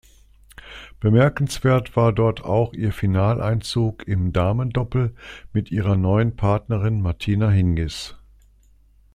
Bemerkenswert war dort auch ihr Finaleinzug im Damendoppel mit ihrer neuen Partnerin Martina Hingis.